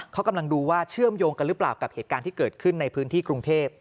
เขากำลังดูว่าเชื่อมโยงกันหรือเปล่ากับเหตุการณ์ที่เกิดขึ้นในพื้นที่กรุงเทพ